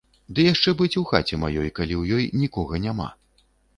Ды яшчэ быць у хаце маёй, калі ў ёй нікога няма.